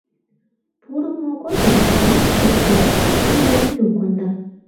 Пурлмо годым, рыж шоктен, шӱвылвӱдым конда.